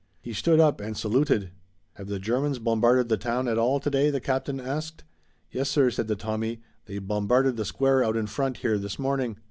He stood up and saluted. "Have the Germans bombarded the town at all today?" the captain asked. "Yes, sir," said the Tommy. "They bombarded the square out in front here this morning."